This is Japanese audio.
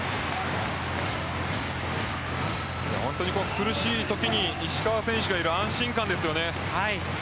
苦しいときに石川選手がいる安心感ですよね。